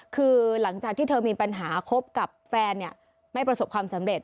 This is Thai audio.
คือหลังจากที่เธอมีปัญหาคบกับแฟนไม่ประสบความสำเร็จ